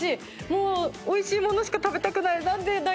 もうおいしい物しか食べたくない。